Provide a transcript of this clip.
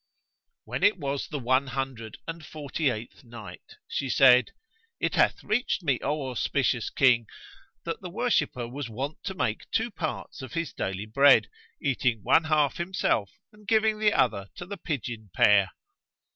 When it was the One Hundred and Forty eighth Night, She said, It hath reached me, O auspicious King, that the worshipper was wont to make two parts of his daily bread, eating one half himself and giving the other to the pigeon pair.